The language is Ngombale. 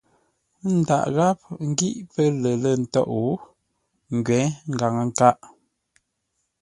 Ə́ ndǎghʼ gháp ngǐ pə́ lər lə̂ ntôʼ, ngwě ngaŋə-nkâʼ.